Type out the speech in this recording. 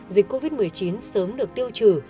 dịch covid một mươi chín sớm được tiêu trừ